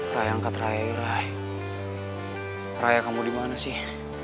raya angkat raya raya kamu dimana sih